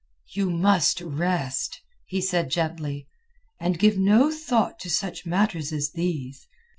"You must rest," he said gently, "and give no thought to such matters as these.